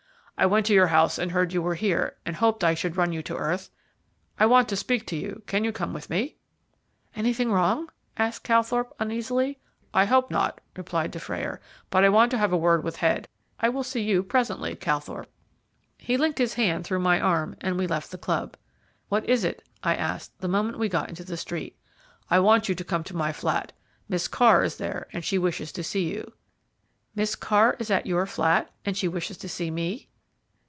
"I went to your house and heard you were here, and hoped I should run you to earth. I want to speak to you. Can you come with me?" "Anything wrong?" asked Calthorpe uneasily. "I hope not," replied Dufrayer, "but I want to have a word with Head. I will see you presently, Calthorpe." He linked his hand through my arm, and we left the club. "What is it?" I asked, the moment we got into the street. "I want you to come to my flat. Miss Carr is there, and she wishes to see you." "Miss Carr at your flat, and she wishes to see me?"